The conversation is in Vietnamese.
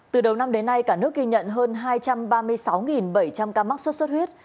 từ đầu năm đến nay cả nước ghi nhận hơn hai trăm ba mươi sáu bảy trăm linh ca mắc sốt xuất huyết